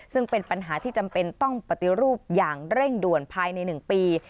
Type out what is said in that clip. ซึ่งเป็นปัญหาที่จำเป็นต้องปฏิรูปอย่างเร่งด่วนภายใน๑ปี